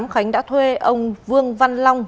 khánh đã thuê ông vương văn long